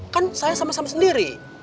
kan saya sama sama sendiri